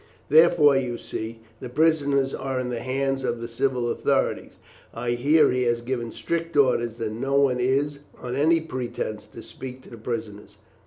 Therefore, you see, the prisoners are in the hands of the civil authorities. I hear he has given strict orders that no one is, on any pretence, to speak to the prisoners."